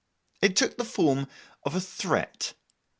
It took the form of a threat.